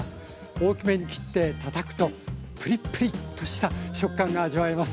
大きめに切ってたたくとプリプリッとした食感が味わえます。